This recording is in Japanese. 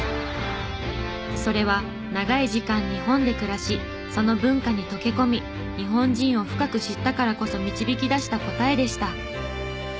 それは長い時間日本で暮らしその文化に溶け込み日本人を深く知ったからこそ導き出した答えでした。